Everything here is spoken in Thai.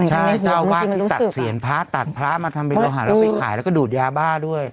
ใช่เจ้าอาวาสที่ตัดเสียนพระตัดพระมาทำเป็นโลหะแล้วไปขายแล้วก็ดูดยาบ้าด้วย